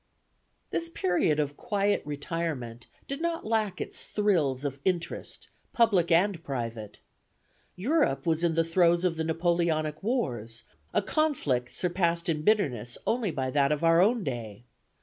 This period of quiet retirement did not lack its thrills of interest, public and private. Europe was in the throes of the Napoleonic Wars, a conflict surpassed in bitterness only by that of our own day.